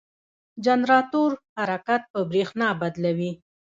جنراتور حرکت په برېښنا بدلوي.